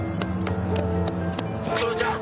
黒ちゃん！